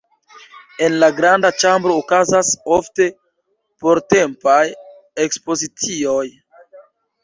En la granda ĉambro okazas ofte portempaj ekspozicioj.